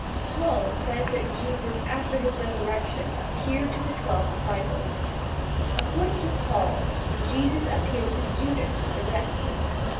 Paul says that Jesus after his resurrection appeared to the twelve disciples. According to Paul, Jesus appeared to Judas with the rest.